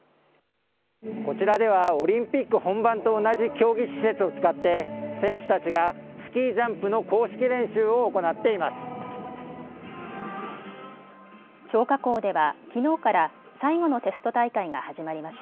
こちらではオリンピック本番と同じ競技施設を使って選手たちがスキージャンプの公式練習を行っています。